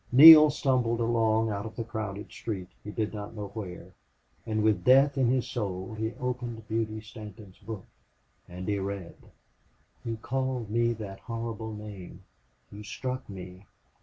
Neale stumbled along out of the crowded street, he did not know where, and with death in his soul he opened Beauty Stanton's book. And he read: You called me that horrible name. You struck me.